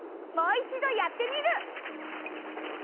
もういちどやってみる！